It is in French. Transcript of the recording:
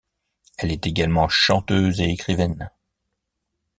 Elle est également chanteuse et écrivaine.